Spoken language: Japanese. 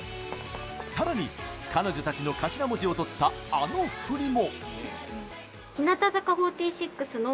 さらに彼女たちの頭文字をとったあの振りも。